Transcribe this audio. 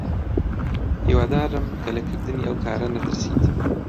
هیوادارم کە لە کردنی ئەو کارە نەترسیت.